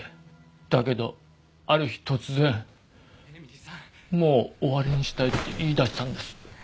だけどある日突然「もう終わりにしたい」って言い出したんです。